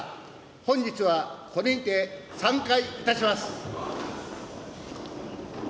本日はこれにて散会いたします。